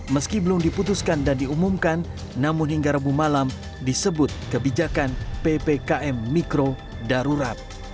meski belum diputuskan dan diumumkan namun hingga rabu malam disebut kebijakan ppkm mikro darurat